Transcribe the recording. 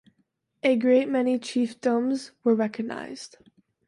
A great many chiefdoms were recognized.